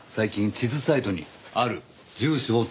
地図サイト？